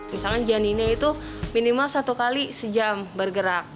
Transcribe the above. misalkan janinnya itu minimal satu kali sejam bergerak